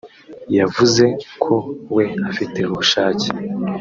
yavuze ko we afite ubushake